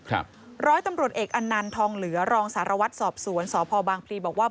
ร้อยตำรวจเอกอันนันทองเหลือรองสารวัตรสอบสวนสพบางพลีบอกว่า